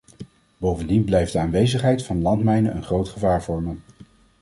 Bovendien blijft de aanwezigheid van landmijnen een groot gevaar vormen.